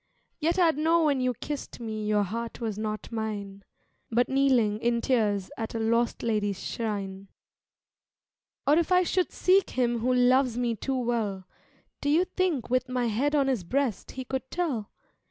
Yet I'd know when you kissed me your heart was not mine But kneeling in tears at a lost lady's shrine. Or if I should seek him who loves me too well, Do you think with my head on his breast he could tell?